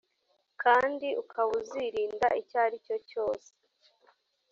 kandi ukaba uzirinda icyo aricyo cyose